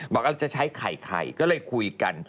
บอกเอาจะใช้ไข่ก็เลยคุยกัน